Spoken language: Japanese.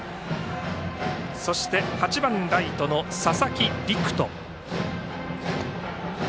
そして８番ライトの佐々木陸仁。